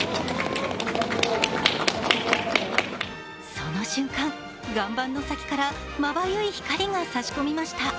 その瞬間、岩盤の先からまばゆい光が差し込みました。